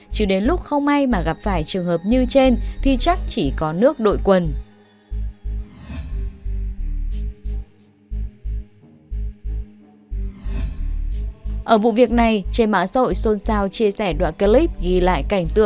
chứ đến lúc không may mà gặp phải trường hợp như trên thì chắc chỉ có nước đội quân